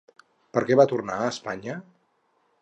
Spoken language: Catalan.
Per què va tornar a Espanya?